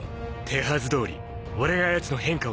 手はずどおり俺がやつの変化を誘う。